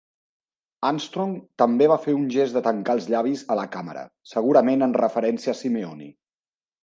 Armstrong també va fer un gest de "tancar els llavis" a la càmera, segurament en referència a Simeoni.